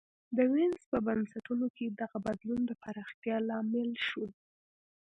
د وینز په بنسټونو کې دغه بدلون د پراختیا لامل شو